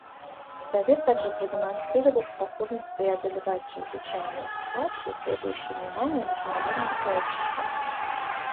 Совет также продемонстрировал способность преодолевать чрезвычайные ситуации, требующие внимания международного сообщества.